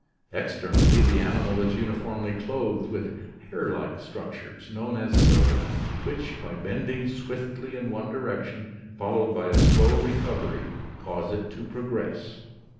Externally the animal is uniformly clothed with hair like structures known as cilia which, by bending swiftly in one direction, followed by a slow recovery, cause it to progress.